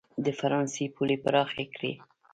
د فرانسې پولې پراخې کړي.